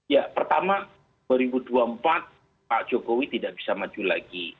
ya pertama dua ribu dua puluh empat pak jokowi tidak bisa maju lagi